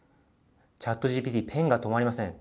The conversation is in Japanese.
ＣｈａｔＧＰＴ、ペンが止まりません。